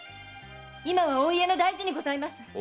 今はお家の大事にございます！